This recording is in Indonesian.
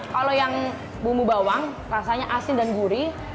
kalau yang bumbu bawang rasanya asin dan gurih